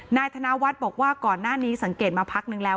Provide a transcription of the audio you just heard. นายธนวัฒน์บอกว่าก่อนหน้านี้สังเกตมาพักนึงแล้ว